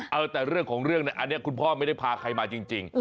เอาแต่เรื่องของเรื่องเนี่ยอันนี้คุณพ่อไม่ได้พาใครมาจริง